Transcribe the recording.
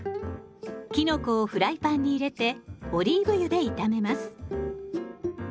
きのこをフライパンに入れてオリーブ油で炒めます。